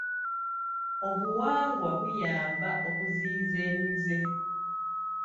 Obuwangwa buyamba okuziyiza emize.